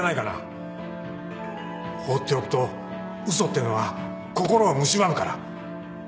放っておくと嘘ってのは心をむしばむから。